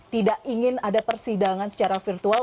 tidak ingin ada persidangan secara virtual